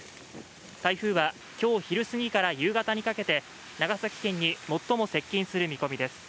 台風は今日昼過ぎから夕方にかけて長崎県に最も接近する見込みです。